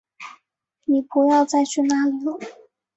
妳不要再去那里了